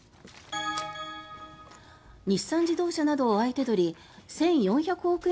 日産自動車などを相手取り１４００億円